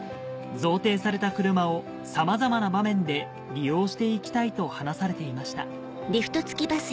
贈呈された車をさまざまな場面で利用して行きたいと話されていましたハハハハ！